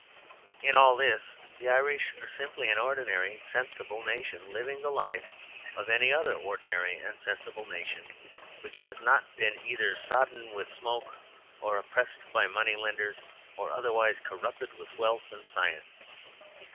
In all this the Irish are simply an ordinary sensible nation, living the life of any other ordinary and sensible nation which has not been either sodden with smoke or oppressed by money lenders, or otherwise corrupted with wealth and science.